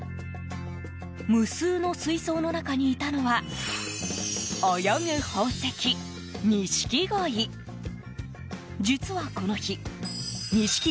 無数の水槽の中にいたのは泳ぐ宝石、錦鯉。